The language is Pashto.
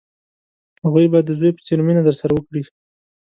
هغوی به د زوی په څېر مینه درسره وکړي.